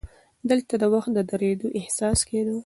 دلته د وخت د درېدو احساس کېده.